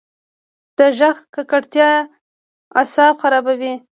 د غږ ککړتیا اعصاب خرابوي.